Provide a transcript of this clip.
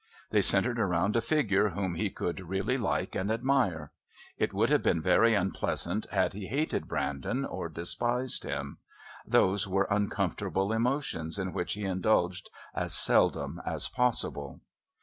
They centred around a figure whom he could really like and admire. It would have been very unpleasant had he hated Brandon or despised him. Those were uncomfortable emotions in which he indulged as seldom as possible.